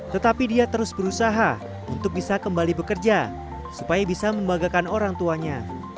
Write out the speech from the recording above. tetapi dia terus berusaha untuk bisa kembali bekerja supaya bisa membagakan orang tuanya